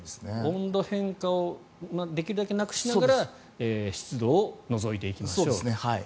温度変化をできるだけなくしながら湿度を除いていきましょうと。